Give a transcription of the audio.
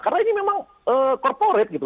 karena ini memang korporate gitu